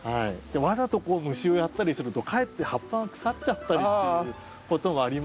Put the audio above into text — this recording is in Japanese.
わざと虫をやったりするとかえって葉っぱが腐っちゃったりっていうこともありますので。